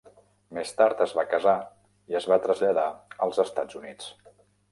Més tard es va casar i es va traslladar als Estats Units.